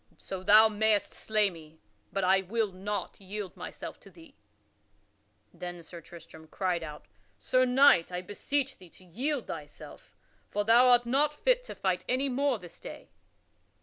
So thou mayst slay me, but I will not yield myself to thee." Then Sir Tristram cried out: "Sir Knight, I beseech thee to yield thyself, for thou art not fit to fight any more this day."